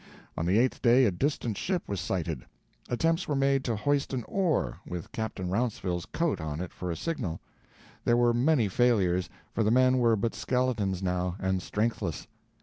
On the eighth day a distant ship was sighted. Attempts were made to hoist an oar, with Captain Rounceville's coat on it for a signal. There were many failures, for the men were but skeletons now, and strengthless.